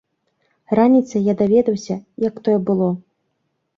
Раніцай я даведаўся, як тое было.